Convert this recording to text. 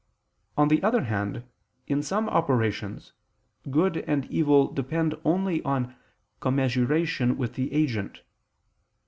On the other hand, in some operations, good and evil depend only on commensuration with the agent.